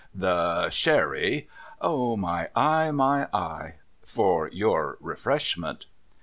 — the sherry, — O my eye, my eye !— for your Refreshment.